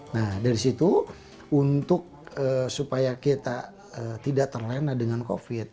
nah dari situ untuk supaya kita tidak terlena dengan covid